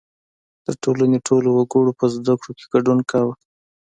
• د ټولنې ټولو وګړو په زدهکړو کې ګډون کاوه.